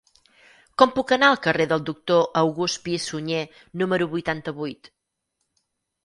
Com puc anar al carrer del Doctor August Pi i Sunyer número vuitanta-vuit?